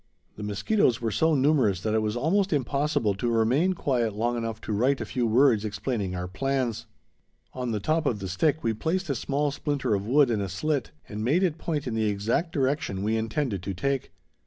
The mosquitoes were so numerous that it was almost impossible to remain quiet long enough to write a few words explaining our plans. On the top of the stick we placed a small splinter of wood in a slit, and made it point in the exact direction we intended to take.